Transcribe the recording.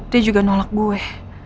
dia juga nolak gue